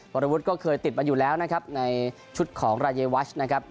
วรวุฒิก็เคยติดมาอยู่แล้วนะครับในชุดของรายวัชนะครับ